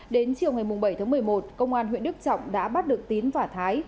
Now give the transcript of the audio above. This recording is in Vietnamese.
đến chiều ngày bảy tháng một mươi một công an huyện đức trọng đã bắt được tín và thái